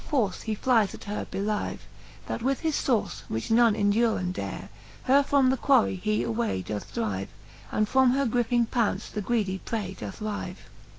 force he flies at her bylive, That with his fouce, which none enduren dare, Her from the quarrey he away doth drive, And from her griping pounce the greedy prey doth rive.